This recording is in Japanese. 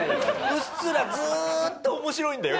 うっすらずーっと面白いんだよ